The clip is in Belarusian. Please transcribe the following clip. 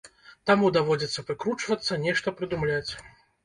Таму даводзіцца выкручвацца, нешта прыдумляць.